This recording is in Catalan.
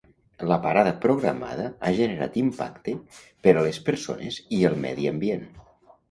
La parada programada ha generat impacte per a les persones i el medi ambient.